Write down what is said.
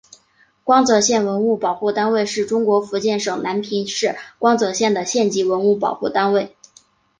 光泽县文物保护单位是中国福建省南平市光泽县的县级文物保护单位。